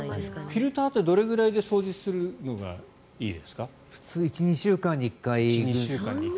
フィルターってどのくらいで掃除するのが普通１２週間に１回。